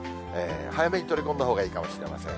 早めに取り込んだほうがいいかもしれません。